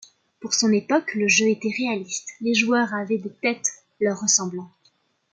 Pour son époque, le jeu était réaliste, les joueurs avaient des têtes leur ressemblant.